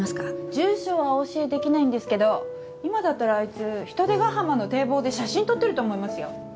住所はお教えできないんですけど今だったらあいつ海星ヶ浜の堤防で写真撮ってると思いますよ。